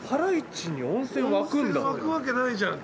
温泉湧くわけないじゃんって。